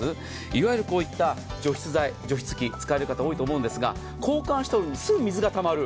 いわゆるこういった除湿剤、除湿器使われる方多いと思うんですがすぐに水がたまる。